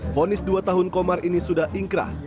fonis dua tahun komar ini sudah ingkrah